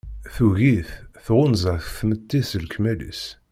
Tugi-t, tɣunza-t tmetti s lekmal-is.